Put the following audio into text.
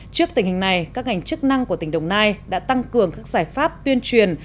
trước tình hình này các ngành chức năng của tỉnh đồng nai đã tăng cường các giải pháp tuyên truyền